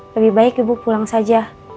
lebih baik ibu pulang saja